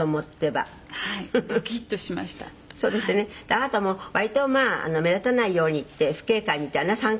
「あなたも割とまあ目立たないようにって父兄会みたいな参観日？」